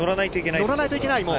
乗らないといけない、もう。